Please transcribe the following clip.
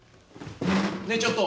ねえちょっと。